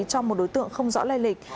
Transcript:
cho một đối tượng không rõ lai lịch